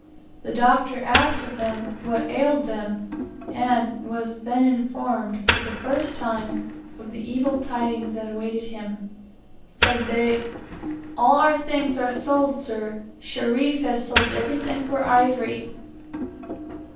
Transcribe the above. The Doctor asked of them what ailed them, and was then informed, for the first time, of the evil tidings that awaited him. Said they, "All our things are sold, sir; Sherif has sold everything for ivory."